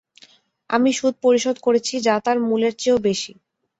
আমি সুদ পরিশোধ করেছি যা তার মূলের চেয়েও বেশি।